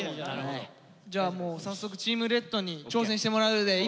じゃあもう早速チームレッドに挑戦してもらうでいいですか？